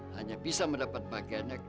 hanya bisa mendapat bagiannya